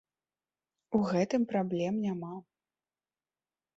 У гэтым праблем няма.